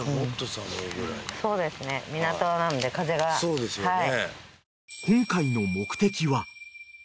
そうですよね。